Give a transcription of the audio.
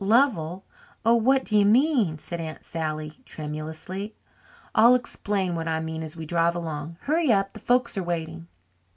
"Lovell, oh, what do you mean?" said Aunt Sally tremulously. "I'll explain what I mean as we drive along. Hurry up the folks are waiting."